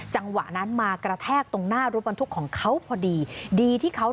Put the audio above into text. จังหวะงั้นมากระแทกตรงหน้ารถบันทุกของเขาพอดี